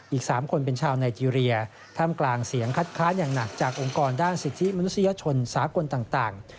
อีก๓คนเป็นชาวไนเจรียท่ามกลางเสียงคัดค้านอย่างหนักจากองค์กรด้านสิทธิมนุษยชนสากลต่าง